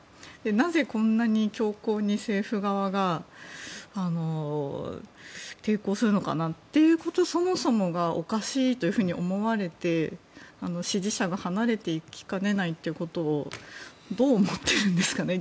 なぜ、こんなに強硬に政府側が抵抗するのかなというそもそもがおかしいと思われて支持者が離れていきかねないことをどう思ってるんですかね。